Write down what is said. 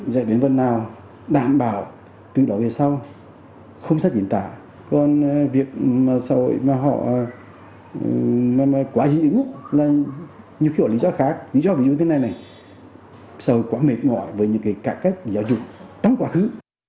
lý do ví dụ như thế này này xã hội quá mệt ngọt với những cái cải cách giáo dục trong quá khứ